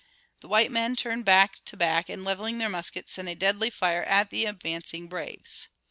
The white men turned back to back, and, leveling their muskets, sent a deadly fire at the advancing braves.